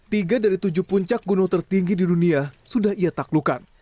tiga dari tujuh puncak gunung tertinggi di dunia sudah ia taklukan